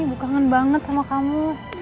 ini bukannya banget sama kamu